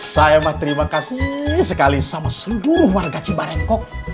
saya emang terima kasih sekali sama seluruh warga cibarengkok